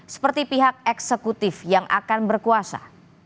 seperti pihak eksekutif yang akan berkuasa